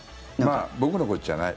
僕のことじゃない。